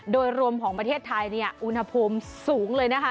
โดยรวมของประเทศไทยเนี่ยอุณหภูมิสูงเลยนะคะ